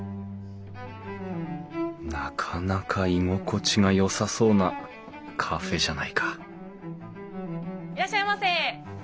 なかなか居心地がよさそうなカフェじゃないかいらっしゃいませ。